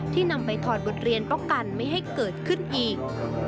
นำไปถอดบทเรียนป้องกันไม่ให้เกิดขึ้นอีก